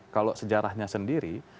kalau sejarahnya sendiri